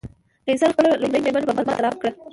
قیصر خپله لومړۍ مېرمن په پلمه طلاق کړه